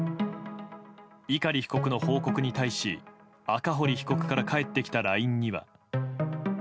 碇被告の報告に対し赤堀被告から返ってきたＬＩＮＥには。